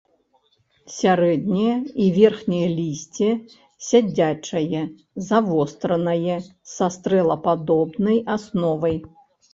Сярэдняе і верхняе лісце сядзячае, завостранае, са стрэлападобнай асновай.